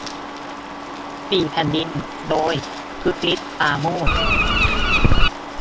สี่แผ่นดิน โดย คึกฤทธิ์ ปราโมช